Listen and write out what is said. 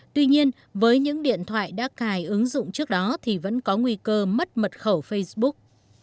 tuy nhiên với những điện thoại đã cài ứng dụng trước đó thì vẫn có nguy cơ mất mật khẩu facebook